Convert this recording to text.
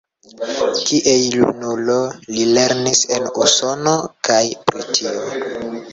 Kiel junulo, li lernis en Usono kaj Britio.